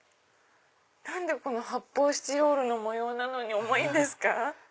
何で発泡スチロールの模様なのに重いんですか？